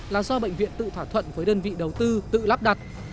là do bệnh viện tự thỏa thuận với đơn vị đầu tư tự lắp đặt